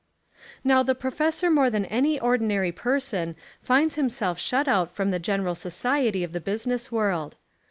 Now the professor more than any ordinary person finds himself shut out from the general society of the business world.